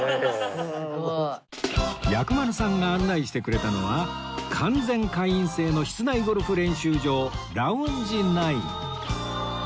薬丸さんが案内してくれたのは完全会員制の室内ゴルフ練習場ラウンジナイン